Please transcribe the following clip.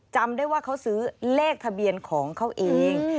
จำได้ว่าเขาซื้อเลขทะเบียนของเขาเอง